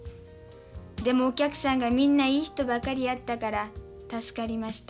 でもお客さんがみんないい人ばかりやったから助かりました。